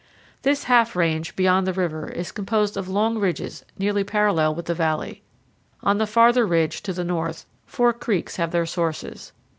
This half range, beyond the river, is composed of long ridges nearly parallel with the valley. On the farther ridge, to the north, four creeks have their sources.